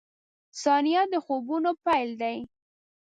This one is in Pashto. • ثانیه د خوبونو پیل دی.